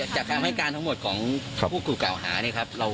จากคำให้การทั้งหมดของผู้ถูกกล่าวหาเนี่ยครับ